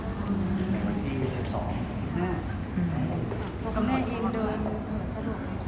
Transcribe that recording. ในวันที่๑๒แม่